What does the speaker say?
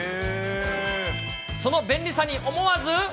その便利さに、思わず。